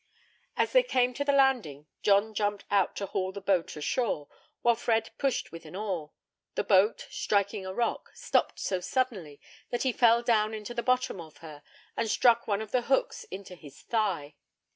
As they came to the landing, John jumped out to haul the boat ashore, while Fred pushed with an oar; the boat, striking a rock, stopped so suddenly, that he fell down into the bottom of her, and stuck one of the hooks into his thigh.